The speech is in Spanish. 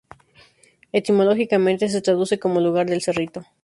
Etimológicamente se traduce como 'lugar del cerrito'.